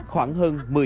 khoảng hơn một triệu đồng